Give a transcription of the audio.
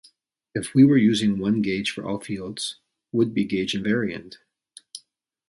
If we were using one gauge for all fields, would be gauge invariant.